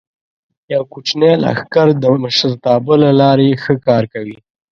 یو کوچنی لښکر د مشرتابه له لارې ښه کار کوي.